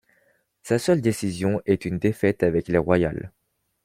Sa seule décision est une défaite avec les Royals.